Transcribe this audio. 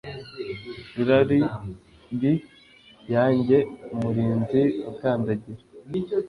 Lullaby yanjye umurinzi ukandagira